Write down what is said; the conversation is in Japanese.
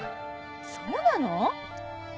そうなの？